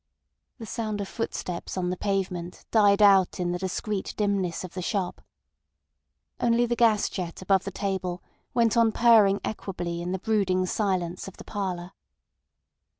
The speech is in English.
The sound of footsteps on the pavement died out in the discreet dimness of the shop. Only the gas jet above the table went on purring equably in the brooding silence of the parlour.